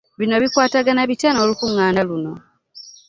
Bino bikwatagana bitya n'olukuŋŋaana luno.